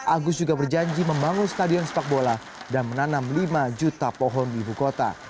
agus juga berjanji membangun stadion sepak bola dan menanam lima juta pohon di ibu kota